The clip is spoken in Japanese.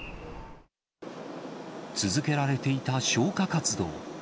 続けられていた消火活動。